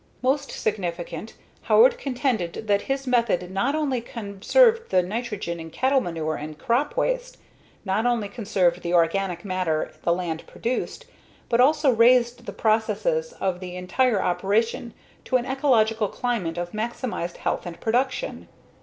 Most significant, Howard contended that his method not only conserved the nitrogen in cattle manure and crop waste, not only conserved the organic matter the land produced, but also raised the processes of the entire operation to an ecological climax of maximized health and production.